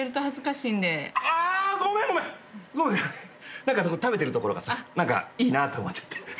何かでも食べてるところがさ何かいいなと思っちゃって。